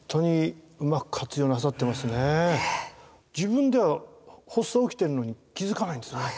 自分では発作起きてるのに気づかないんですね。